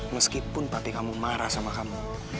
meskipun batik kamu marah sama kamu